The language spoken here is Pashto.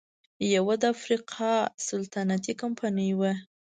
یوه د افریقا سلطنتي کمپنۍ وه.